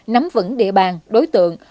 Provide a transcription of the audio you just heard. nắm vững địa bàn đối tượng